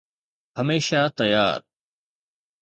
هميشه تيار